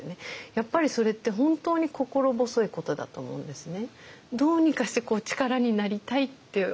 やっぱりそれって本当に心細いことだと思うんですね。